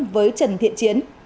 với trần thiện chiến